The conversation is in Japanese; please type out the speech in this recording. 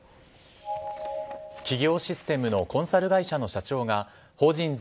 企業システムのコンサル会社の社長が法人税